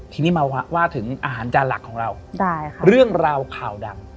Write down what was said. ทีนี้มาว่าถึงอาหารจานหลักของเราเรื่องราวข่าวดัง